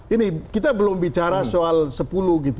ini kita belum bicara soal sepuluh gitu